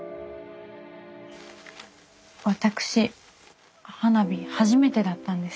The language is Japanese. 私花火初めてだったんです。